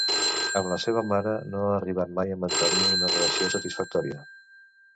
Amb la seva mare no ha arribat mai a mantenir una relació satisfactòria.